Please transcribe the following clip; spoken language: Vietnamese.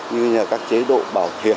như là các chế độ bảo hiểm